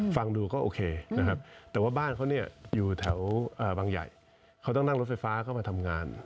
ฟังดูก็โอเคนะครับแต่ว่าบ้านเขาเนี่ยอยู่แถวบางใหญ่เขาต้องนั่งรถไฟฟ้าเข้ามาทำงาน